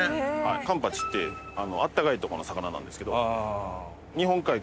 カンパチって暖かいとこの魚なんですけど。